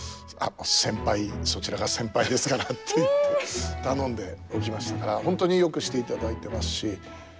先輩そちらが先輩ですから」って言って頼んでおきましたから本当によくしていただいてますし。